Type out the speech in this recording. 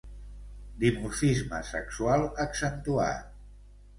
Dimorfisme sexual accentuat.